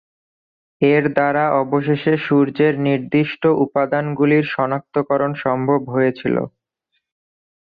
এর দ্বারা অবশেষে সূর্যের নির্দিষ্ট উপাদানগুলির সনাক্তকরণ সম্ভব হয়েছিল।